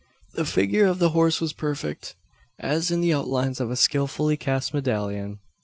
The figure of the horse was perfect, as in the outlines of a skilfully cast medallion.